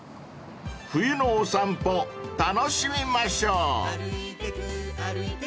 ［冬のお散歩楽しみましょう］